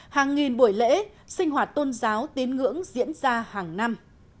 hàng nghìn buổi lễ sinh hoạt tôn giáo tín ngưỡng diễn ra hàng năm